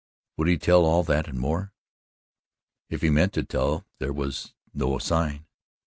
Would he tell all that and more? If he meant to tell there was no sign.